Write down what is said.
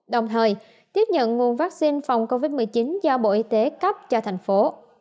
đồng thời tiếp nhận nguồn vaccine phòng covid một mươi chín do bộ y tế cấp cho thành phố